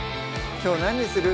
きょう何にする？